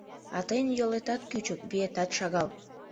А тыйын йолетат кӱчык, виетат шагал.